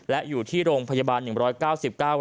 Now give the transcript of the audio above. และอยู่ที่โรงพยาบาล๑๙๙วัน